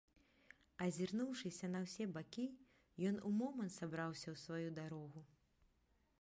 Азірнуўшыся на ўсе бакі, ён у момант сабраўся ў сваю дарогу.